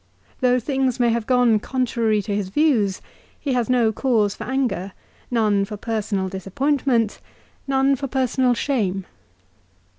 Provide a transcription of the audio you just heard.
Though things may have gone contrary to his views he has no cause for anger, none for personal dis appointment, none for personal shame.